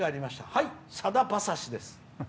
はい、さだ馬刺しです。